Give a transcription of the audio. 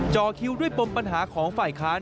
จอคิวด้วยปมปัญหาของฝ่ายค้าน